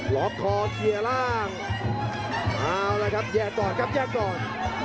ล็อกคอเคลียร์ร่างเอาละครับแยกก่อนครับแยกก่อน